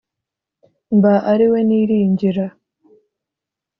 mba ari we niringira.